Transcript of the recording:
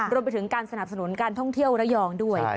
รวมไปถึงการสนับสนุนการท่องเที่ยวระยองด้วย